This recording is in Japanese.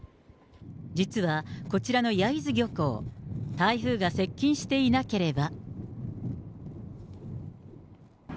実はこちらの焼津漁港、台風が接近していなければ。